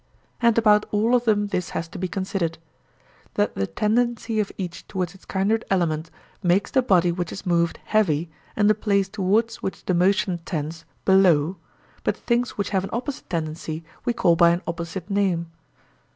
And about all of them this has to be considered:—that the tendency of each towards its kindred element makes the body which is moved heavy, and the place towards which the motion tends below, but things which have an opposite tendency we call by an opposite name.